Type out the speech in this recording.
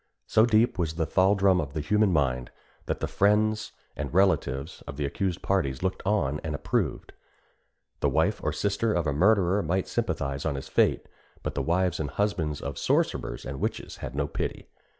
So deep was the thraldom of the human mind, that the friends and relatives of the accused parties looked on and approved. The wife or sister of a murderer might sympathise in his fate, but the wives and husbands of sorcerers and witches had no pity.